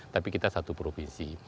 tapi kita satu provinsi